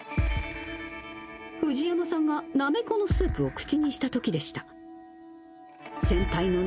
藤山さんがなめこのスープを口にしたときでした。